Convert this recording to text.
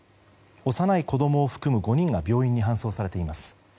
幼い子供を含む５人が病院に搬送されています。